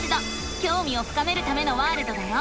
きょうみを深めるためのワールドだよ！